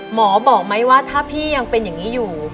หมอบอกไหมว่าถ้าพี่ยังเป็นอย่างนี้อยู่